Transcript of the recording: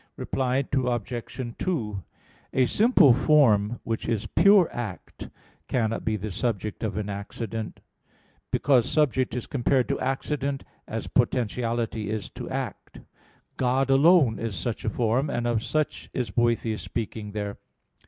Reply Obj. 2: A simple form which is pure act cannot be the subject of accident, because subject is compared to accident as potentiality is to act. God alone is such a form: and of such is Boethius speaking there.